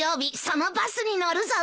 そのバスに乗るぞ！